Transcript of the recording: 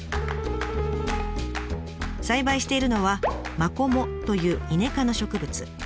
栽培しているのは「マコモ」というイネ科の植物。